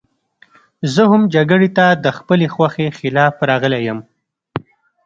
زه هم جګړې ته د خپلې خوښې خلاف راغلی یم